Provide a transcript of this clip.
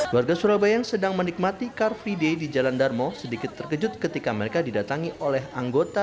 warga surabaya yang sedang menikmati car free day di jalan darmo sedikit terkejut ketika mereka didatangi oleh anggota